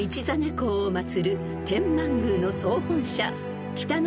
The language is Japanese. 公を祭る天満宮の総本社］